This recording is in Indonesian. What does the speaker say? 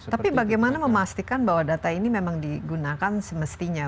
tapi bagaimana memastikan bahwa data ini memang digunakan semestinya